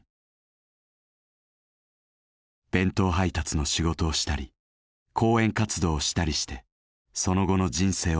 弁当配達の仕事をしたり講演活動をしたりしてその後の人生を過ごした。